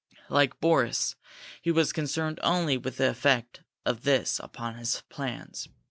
Like Boris, he was concerned only with the effect of this upon his plans.